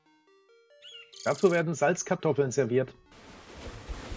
Dazu werden Salzkartoffeln serviert.